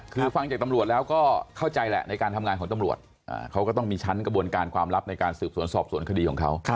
คือฟังจากตำรวจแล้วก็เข้าใจแหละในการทำงานของตำรวจเขาก็ต้องมีชั้นกระบวนการความลับในการสืบสวนสอบสวนคดีของเขา